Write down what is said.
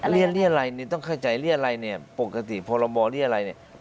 เรียนเรียรัยเนี่ยต้องเข้าใจเรียรัยเนี่ยปกติพรบเรียรัยเนี่ย